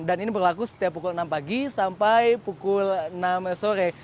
dan ini berlaku setiap pukul enam pagi sampai pukul enam sore